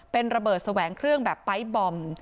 เป็นระเบิดแสวงเครื่องแบบไปร์ทบอม